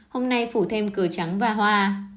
hôm nay phủ thêm cửa trắng và hoa